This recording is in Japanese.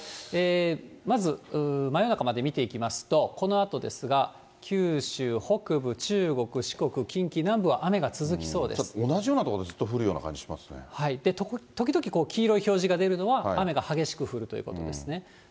まず真夜中まで見ていきますと、このあとですが、九州北部、中国、四国、同じような所でずっと降るよ時々黄色い表示が出るのは、雨が激しく降るということですね。